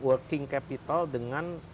working capital dengan